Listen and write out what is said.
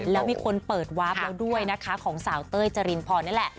แล้วมีคนเปิดวาร์ฟแล้วด้วยนะคะของสาวเต้ยจรินพรนี่แหละ